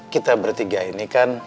kita bertiga ini kan